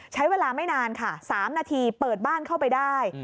ใช้เวลาไม่นานค่ะ๓นาทีเปิดบ้านเข้าไปได้